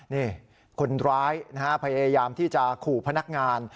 นี่คนร้ายนะฮะพยายามที่จะขู่พนักงาน